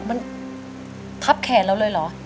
มันทับแขนเราเลยเหรอ